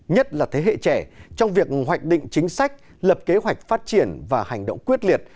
nhất là thế hệ trẻ trong việc hoạch định chính sách lập kế hoạch phát triển và hành động quyết liệt